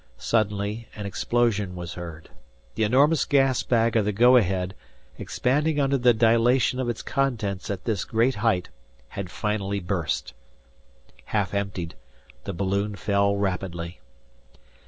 Suddenly an explosion was heard. The enormous gas bag of the "Go Ahead," expanding under the dilation of its contents at this great height, had finally burst. Half emptied, the balloon fell rapidly.